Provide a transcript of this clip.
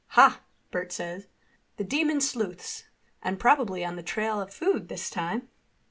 "Ha!" Bert said. "The demon sleuths—and probably on the trail of food this time."